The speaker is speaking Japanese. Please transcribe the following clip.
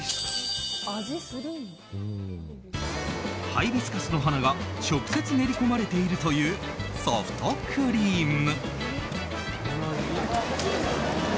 ハイビスカスの花が直接練りこまれているというソフトクリーム。